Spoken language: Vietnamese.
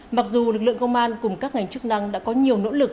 mặc dù lực lượng công an cùng các ngành chức năng đã có nhiều nỗ lực